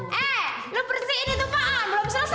eh lo bersihin itu pohon belum selesai beran